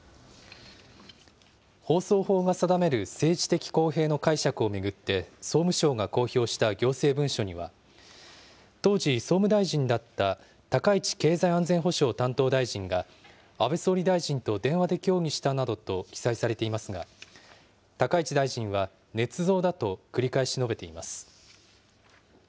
放送法が定める政治的公平の解釈を巡って、総務省が公表した行政文書には、当時、総務大臣だった高市経済安全保障担当大臣が安倍総理大臣と電話で協議したなどと記載されていますが、高市大臣は、ねつ造だと繰り返し述べています。